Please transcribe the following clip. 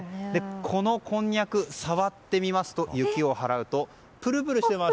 このこんにゃく触ってみますと雪を払うとぷるぷるしてます。